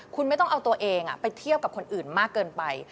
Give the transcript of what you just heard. คุณไม่ต้องเอาตัวเองไปเทียบกับคนอื่นมากเกินไป